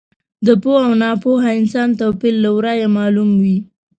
د پوه او ناپوه انسان توپیر له ورایه معلوم وي.